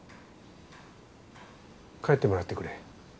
帰ってもらってくれ。